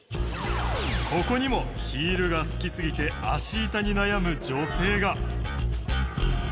ここにもヒールが好きすぎて足痛に悩む女性が。